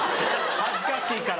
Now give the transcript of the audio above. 恥ずかしいから。